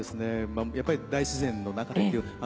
やっぱり大自然の中っていう。